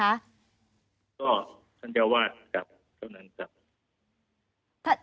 ก็ท่านเจ้าวาดกลับเท่านั้นครับ